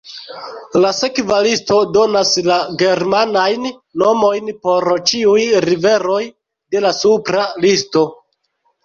La sekva listo donas la germanajn nomojn por ĉiuj riveroj de la supra listo.